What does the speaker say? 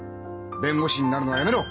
弁護士になるのはやめろ！